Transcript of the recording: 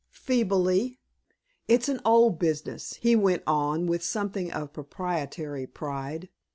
feebly. "It's an old business," he went on, with something of proprietary pride.